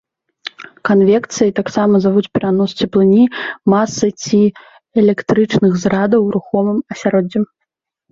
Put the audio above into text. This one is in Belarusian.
Канвекцыяй таксама завуць перанос цеплыні, масы ці электрычных зарадаў рухомым асяроддзем.